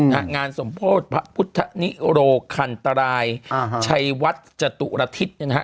อยู่นะฮะงานสมโภธพบุทธนิโลคันตรายชัยวัดจฎุระทิตย์อืมนะฮะ